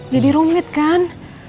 jadi rumit kan